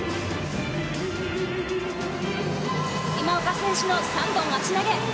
今岡選手の３本足投げ。